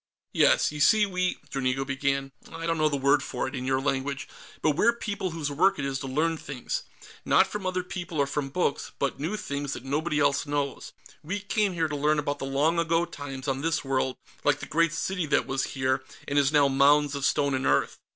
"Yes. You see, we...." Dranigo began. "I don't know the word for it, in your language, but we're people whose work it is to learn things. Not from other people or from books, but new things, that nobody else knows. We came here to learn about the long ago times on this world, like the great city that was here and is now mounds of stone and earth.